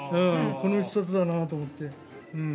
この１冊だなと思って。